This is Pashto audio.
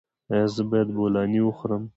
ایا زه باید بولاني وخورم؟